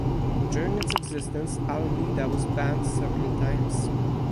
During its existence "Al Nida" was banned several times.